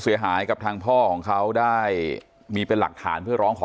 เสียหายกับทางพ่อของเขาได้มีเป็นหลักฐานเพื่อร้องขอ